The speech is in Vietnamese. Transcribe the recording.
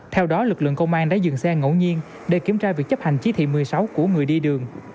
theo đó lực lượng công an đã dừng xe ngẫu nhiên để kiểm tra việc chấp hành chỉ thị một mươi sáu của người đi đường